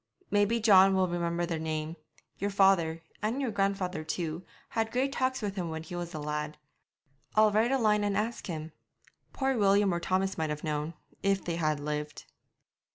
'Maybe John will remember the name; your father, and your grandfather too, had great talks with him when he was a lad. I'll write a line and ask him. Poor William or Thomas might have known, if they had lived.'